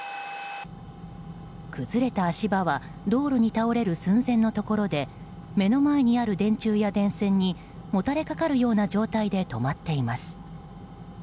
崩れた足場は道路に倒れる寸前のところで目の前にある電柱や電線にもたれかかるような状態で止まっています。